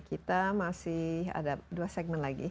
kita masih ada dua segmen lagi